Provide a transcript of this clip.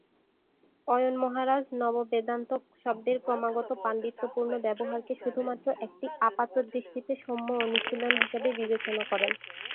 অয়ন মহারাজ "নব-বেদান্ত" শব্দের ক্রমাগত পাণ্ডিত্যপূর্ণ ব্যবহারকে শুধুমাত্র একটি "আপাতদৃষ্টিতে সৌম্য অনুশীলন" হিসেবে বিবেচনা করেন।